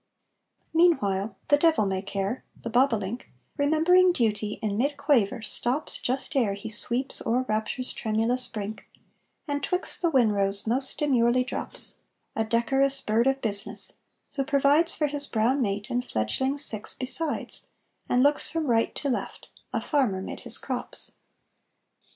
Meanwhile the devil may care, the bobolink, Remembering duty, in mid quaver stops Just ere he sweeps o'er rapture's tremulous brink, And 'twixt the winrows most demurely drops, A decorous bird of business, who provides For his brown mate and fledglings six besides, And looks from right to left, a farmer mid his crops.